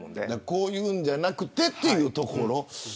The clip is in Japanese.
こういうのじゃなくてというところ。